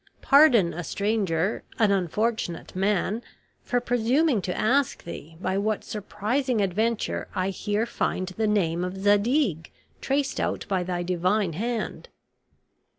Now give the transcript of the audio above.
pardon a stranger, an unfortunate man, for presuming to ask thee by what surprising adventure I here find the name of Zadig traced out by thy divine hand!"